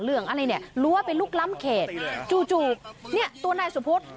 เรื่องอะไรเนี่ยรั้วไปลุกล้ำเขตจู่จู่เนี่ยตัวนายสุพุทธ